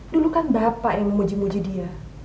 dulu kan bapak yang memuji muji dia